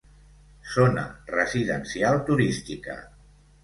Zona residencial turística.